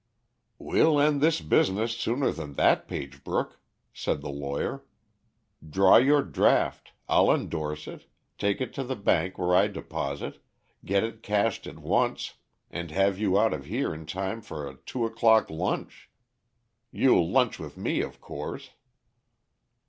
"We'll end this business sooner than that, Pagebrook," said the lawyer. "Draw your draft, I'll indorse it, take it to the bank where I deposit, get it cashed at once, and have you out of here in time for a two o'clock lunch. You'll lunch with me, of course."